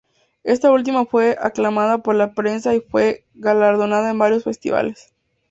Esta última fue aclamada por la prensa y fue galardonada en varios festivales.